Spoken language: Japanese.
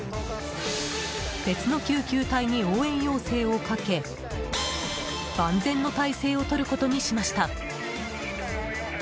別の救急隊に応援要請をかけ万全の態勢をとることにしました。